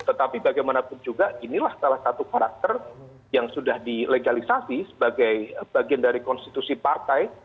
tetapi bagaimanapun juga inilah salah satu karakter yang sudah dilegalisasi sebagai bagian dari konstitusi partai